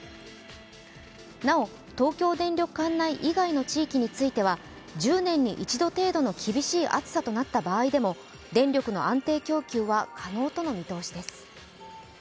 なお、東京電力管内以外の地域については１０年に一度程度の厳しい暑さとなった場合でも、電力の安定供給は可能との見通しです。